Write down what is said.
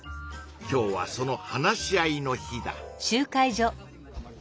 今日はその話し合いの日だ。